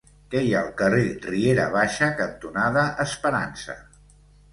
Què hi ha al carrer Riera Baixa cantonada Esperança?